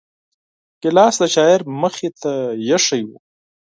ګیلاس د شاعر مخې ته ایښی وي.